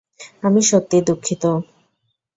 আমি সত্যি দুঃখিত।